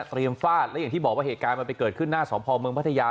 ฟาดและอย่างที่บอกว่าเหตุการณ์มันไปเกิดขึ้นหน้าสพเมืองพัทยา